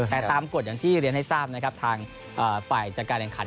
แต่ตามกฎที่เรียนให้ทราบทางฝ่ายจากการแรงขัน